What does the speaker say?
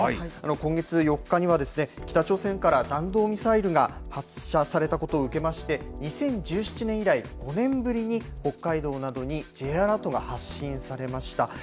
今月４日には、北朝鮮から弾道ミサイルが発射されたことを受けまして、２０１７年以来、５年ぶりに北海道などにＪアラートが発信されました。